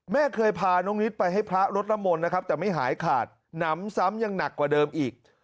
แม่เคยพาน้องนิดไปให้พระลดน้ำมนต์นะครับแต่ไม่หายขาดหนำซ้ำยังหนักกว่าเดิมอีก